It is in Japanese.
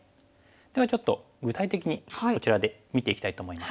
ではちょっと具体的にこちらで見ていきたいと思います。